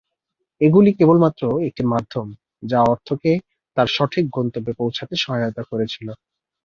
এগুলি কেবলমাত্র একটি মাধ্যম যা অর্থকে তার সঠিক গন্তব্যে পৌঁছাতে সহায়তা করেছিল।